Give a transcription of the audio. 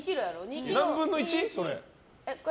何分の１？それ。